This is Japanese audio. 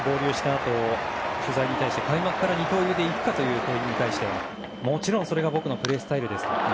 あと取材に対して開幕から二刀流で行くかという問いに対してもちろんそれが僕のプレースタイルです。